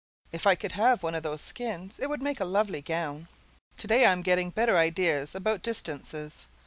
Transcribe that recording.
If I could have one of those skins, it would make a lovely gown. Today I am getting better ideas about distances.